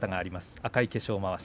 赤い化粧まわし。